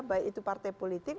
baik itu partai politik